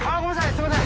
すみません。